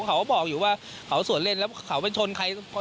เขาก็บอกอยู่ว่าเขาสวนเล่นแล้วเขาไปชนใคร